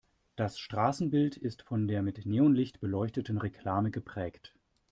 Das Straßenbild ist von der mit Neonlicht beleuchteten Reklame geprägt.